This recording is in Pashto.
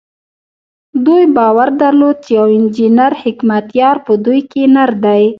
دوی باور درلود چې يو انجنير حکمتیار په دوی کې نر دی.